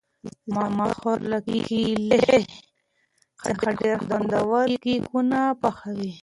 زما خور له کیلې څخه ډېر خوندور کېکونه پخوي.